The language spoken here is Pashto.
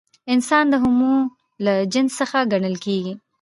انسان د هومو له جنس څخه ګڼل کېږي.